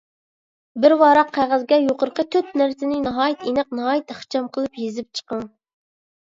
بىر ۋاراق قەغەزگە يۇقىرىقى تۆت نەرسىنى ناھايىتى ئېنىق، ناھايىتى ئىخچام قىلىپ يېزىپ چىقىڭ.